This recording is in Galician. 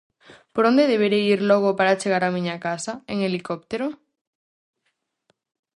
Por onde deberei ir logo para chegar á miña casa, en helicóptero?